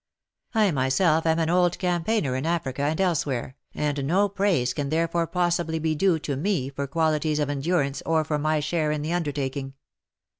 I myself am an old campaigner in Africa and elsewhere, and no praise can there fore possibly be due to me for qualities of endurance or for my share in the undertaking.